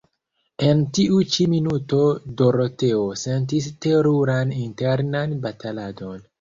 En tiu ĉi minuto Doroteo sentis teruran internan bataladon.